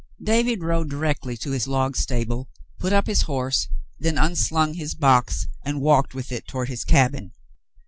David rode directly to his log stable, put up his horse, then unslung his box and walked with it toward his cabin.